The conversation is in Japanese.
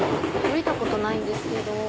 降りたことないんですけど。